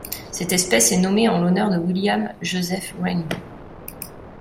Cette espèce est nommée en l'honneur de William Joseph Rainbow.